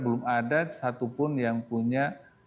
belum ada satupun yang punya